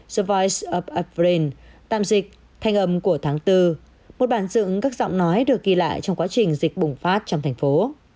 the voice of a friend một bản dựng các giọng nói được ghi lại trong quá trình dịch bùng phát trong thành phố